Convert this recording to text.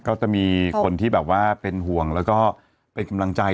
ก็จะมีคนที่แบบว่าเป็นห่วงแล้วก็เป็นกำลังใจ